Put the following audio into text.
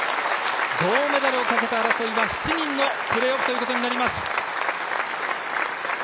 銅メダルをかけた争いが７人のプレーオフということになります。